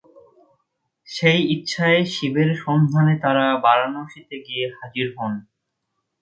সেই ইচ্ছায় শিবের সন্ধানে তারা বারাণসীতে গিয়ে হাজির হন।